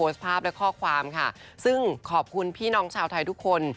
ซึ่งขอบคุณพี่น้องชาวไทยทุกคน